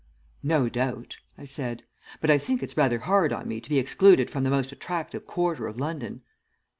"'No doubt,' I said, 'but I think it's rather hard on me to be excluded from the most attractive quarter of London.'